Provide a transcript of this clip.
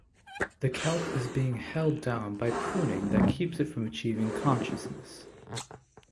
The kelp is being held down by pruning that keeps it from achieving consciousness.